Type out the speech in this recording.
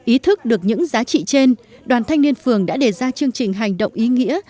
ý thức được những giá trị trên đoàn thanh niên phường đã đề ra chương trình hành động ý nghĩa